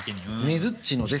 ねづっちのです。